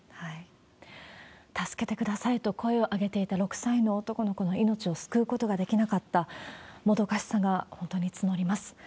助けてくださいと声を上げていた６歳の男の子の命を救うことができなかった、もどかしさが本当に募ります。